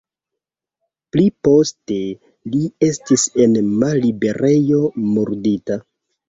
Pli poste li estis en malliberejo murdita.